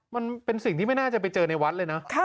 มันเป็นสิ่งที่ไม่น่าจะไปเจอในวัดเลยนะ